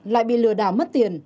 lại bị lừa đảo mất tiền